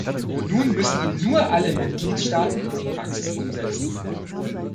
Nun müssen ihn nur alle Mitgliedstaaten in die Praxis umsetzen.